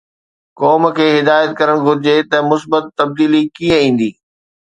قوم کي هدايت ڪرڻ گهرجي ته مثبت تبديلي ڪيئن ايندي؟